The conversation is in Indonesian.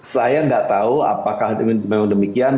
saya nggak tahu apakah memang demikian